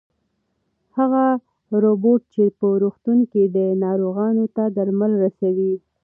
هغه روبوټ چې په روغتون کې دی ناروغانو ته درمل رسوي.